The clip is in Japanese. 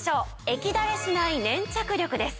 液だれしない粘着力です。